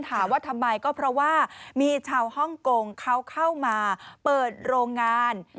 ถามว่าทำไมก็เพราะว่ามีชาวฮ่องกงเขาเข้ามาเปิดโรงงาน